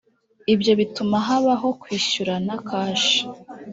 ibyo bituma habaho kwishyurana kashi